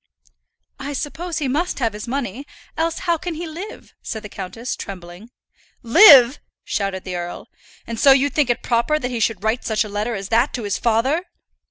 "I suppose he must have his money; else how can he live?" said the countess, trembling. "Live!" shouted the earl. "And so you think it proper that he should write such a letter as that to his father!"